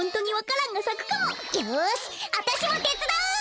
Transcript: よしあたしもてつだう！